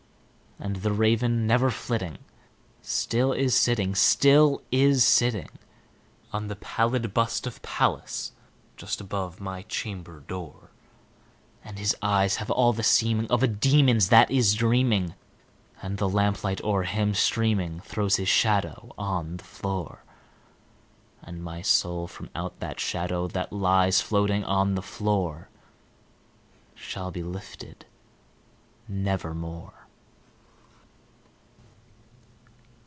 And the Raven, never flitting, still is sitting, still is sitting On the pallid bust of Pallas just above my chamber door; And his eyes have all the seeming of a demon's that is dreaming, And the lamplight o'er him streaming throws his shadow on the floor; And my soul from out that shadow that lies floating on the floor Shall be lifted nevermore!